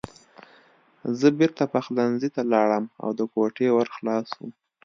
زه بېرته پخلنځي ته لاړم او د کوټې ور خلاص و